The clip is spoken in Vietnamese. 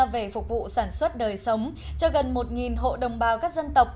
về phục vụ sản xuất đời sống cho gần một hộ đồng bào các dân tộc